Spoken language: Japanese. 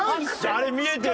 あれ見えてる。